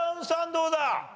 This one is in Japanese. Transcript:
どうだ？